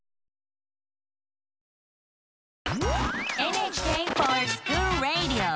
「ＮＨＫｆｏｒＳｃｈｏｏｌＲａｄｉｏ」！